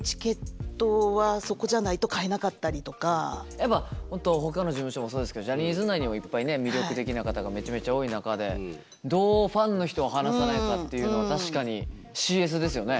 やっぱ本当ほかの事務所もそうですけどジャニーズ内にもいっぱいね魅力的な方がめちゃめちゃ多い中でどうファンの人を離さないかっていうのは確かにＣＳですよね。